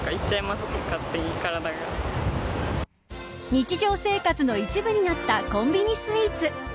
日常生活の一部になったコンビニスイーツ。